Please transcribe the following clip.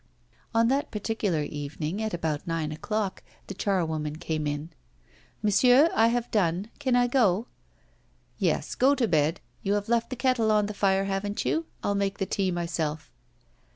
On that particular evening, at about nine o'clock, the charwoman came in. 'Monsieur, I have done. Can I go?' 'Yes, go to bed. You have left the kettle on the fire, haven't you? I'll make the tea myself.